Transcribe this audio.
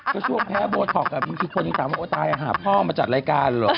ก็ช่วงแพ้โบท็อกบางทีคนยังถามว่าโอตายหาพ่อมาจัดรายการเหรอ